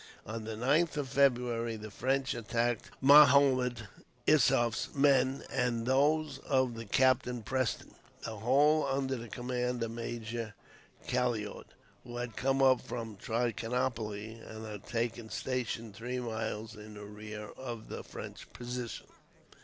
On the 9th of February, the French attacked Mahomed Issoof's men and those of Captain Preston; the whole under the command of Major Calliaud, who had come up from Trichinopoli, and had taken station three miles in rear of the French position.